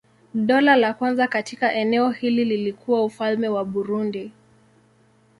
Dola la kwanza katika eneo hili lilikuwa Ufalme wa Burundi.